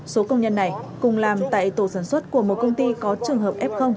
số công nhân này cùng làm tại tổ sản xuất của một công ty có trường hợp f